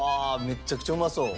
めっちゃくちゃうまそう。